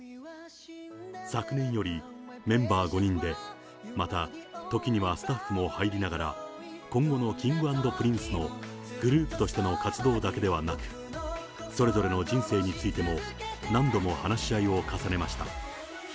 昨年よりメンバー５人で、また、時にはスタッフも入りながら、今後のＫｉｎｇ＆Ｐｒｉｎｃｅのグループとしての活動だけではなく、それぞれの人生についても、何度も話し合いを重ねました。